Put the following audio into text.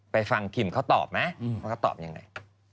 ไปฟังคิมเขาตอบไหมเขาตอบอย่างไร